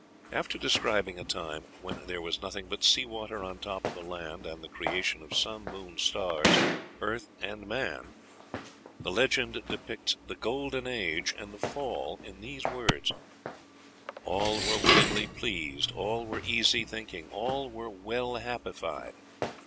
After describing a time "when there was nothing but sea water on top of the land," and the creation of sun, moon, stars, earth, and man, the legend depicts the Golden Age and the Fall in these words: "All were willingly pleased, all were easy thinking, and all were well happified.